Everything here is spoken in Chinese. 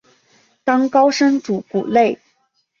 当高僧祖古内。